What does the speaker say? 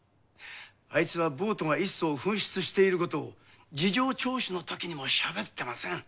アイツはボートが１艘紛失していることを事情聴取のときにもしゃべってません。